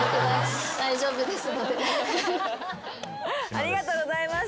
ありがとうございます。